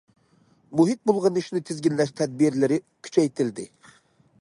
مۇھىت بۇلغىنىشنى تىزگىنلەش تەدبىرلىرى كۈچەيتىلدى.